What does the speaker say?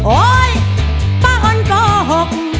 โอ๊ยป้าออนโกหก